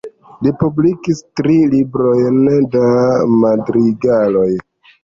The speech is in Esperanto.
Li publikis tri librojn da madrigaloj.